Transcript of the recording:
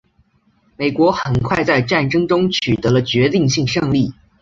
美国很快在战争中取得了决定性胜利。